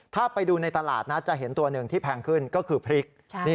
ถ้าไปดูในตลาดนะจะเห็นตัวหนึ่งที่แพงขึ้นก็คือพริก